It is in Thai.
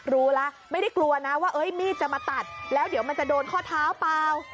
รู้แล้วไม่ได้กลัวนะว่ามีดจะมาตัดแล้วเดี๋ยวมันจะโดนข้อเท้าเปล่า